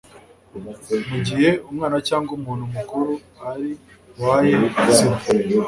mu gihe umwana cyangwa umuntu mukuru ar waye sida